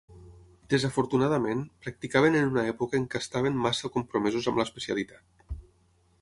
Desafortunadament, practicaven en una època en què estaven massa compromesos amb l'especialitat.